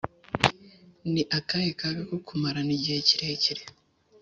Ni akahe kaga ko kumarana igihe kirekire